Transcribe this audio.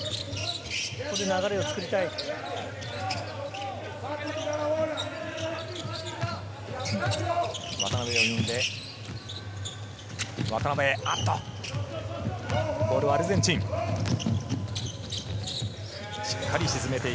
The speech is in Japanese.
ここで流れを作りたい。